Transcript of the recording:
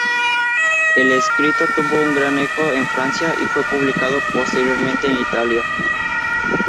El escrito tuvo un gran eco en Francia y fue publicado posteriormente en Italia.